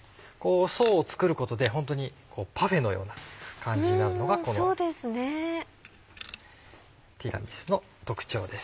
層を作ることでホントにパフェのような感じになるのがこのティラミスの特徴です。